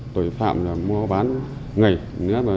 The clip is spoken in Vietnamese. tội phạm mua bán người